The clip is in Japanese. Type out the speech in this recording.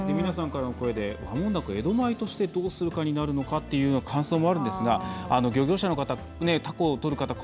皆さんからの声で「ワモンダコ、江戸前としてどうするかになるのか？」という感想もあるんですが漁業者の方、タコをとる方